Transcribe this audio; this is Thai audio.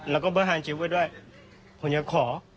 แล้วก็บริหารจิตไว้ด้วยผมจะขอ